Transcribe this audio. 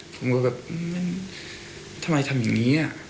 ผมก็แบบทำไมทำอย่างนี้